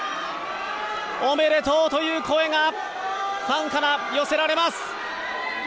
おめでとう！という声がファンから寄せられます。